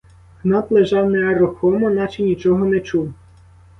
Гнат лежав нерухомо, наче нічого не чув.